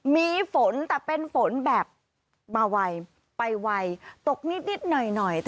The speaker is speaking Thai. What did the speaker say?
มีฝนแต่เป็นฝนแบบมาไวไปไวตกนิดหน่อย